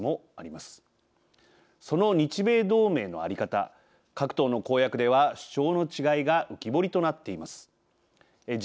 その日米同盟の在り方各党の公約では主張の違いが浮き彫りとなっています。